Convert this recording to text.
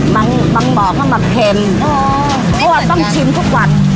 บางบ่อเขามาเค็มอ๋อไม่เหมือนกันเพราะว่าต้องชิมทุกวัน